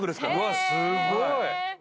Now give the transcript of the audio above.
すっごい！